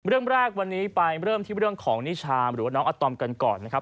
เรื่องแรกวันนี้ไปเริ่มที่เรื่องของนิชามหรือว่าน้องอาตอมกันก่อนนะครับ